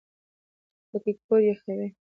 پکۍ کور یخوي